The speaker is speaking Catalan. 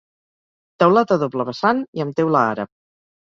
Teulat a doble vessant i amb teula àrab.